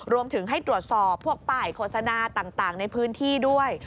รวมถึงให้ตรวจสอบพวกป้ายโฆษณาต่างในพื้นที่ด้วย